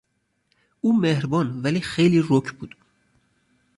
او مهربان ولی خیلی رک بود.